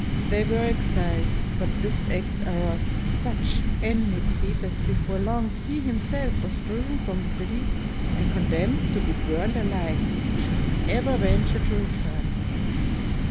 They were exiled; but this act aroused such enmity that before long he himself was driven from the city and condemned to be burned alive if he should ever venture to return.